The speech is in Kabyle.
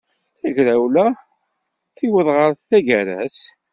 Tagrawla tiweḍ ɣer tagar-s.